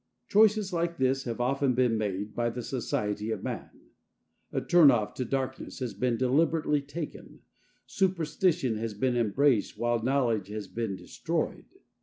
Choices like this have often been made by the society of man. A turnoff to darkness has been deliberately taken, superstition has been embraced while knowledge has been destroyed.